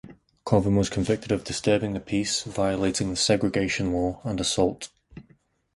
Colvin was convicted of disturbing the peace, violating the segregation law, and assault.